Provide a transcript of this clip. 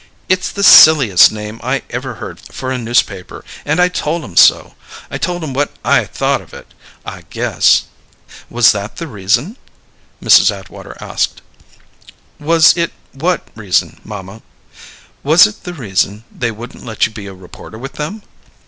It's the silliest name I ever heard for a newspaper; and I told 'em so. I told 'em what I thought of it, I guess!" "Was that the reason?" Mrs. Atwater asked. "Was it what reason, mamma?" "Was it the reason they wouldn't let you be a reporter with them?"